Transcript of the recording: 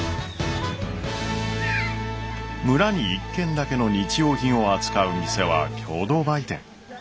村に一軒だけの日用品を扱う店は共同売店。